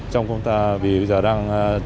trong công tác vì bây giờ đang